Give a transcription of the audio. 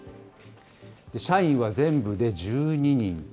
社員は全部で１２人。